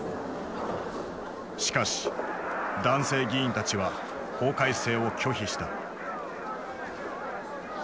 しかし男性議員たちは法改正を拒否した。